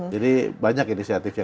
jadi banyak inisiatif yang kita